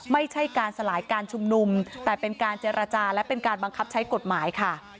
ไม่ใช่การสลายการชุมนุมแต่เป็นการเจรจาและเป็นการบังคับใช้กฎหมายค่ะ